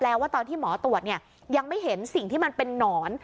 แล้วว่าตอนที่หมอตรวจเนี่ยยังไม่เห็นสิ่งที่มันเป็นนอน